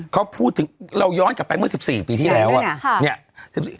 เขาพูดถึงเราย้อนกลับไปเมื่อ๑๔ปีที่แล้วนั่นด้วยนะเนี่ย